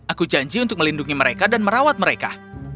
aku janji untuk melindungi mereka dan merawat mereka